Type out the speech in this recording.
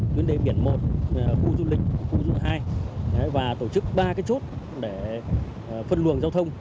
tuyến đê biển một khu du lịch khu du lịch hai và tổ chức ba chốt để phân luồng giao thông